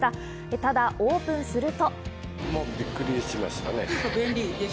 ただオープンすると。